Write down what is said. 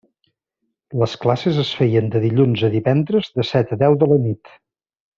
Les classes es feien de dilluns a divendres, de set a deu de la nit.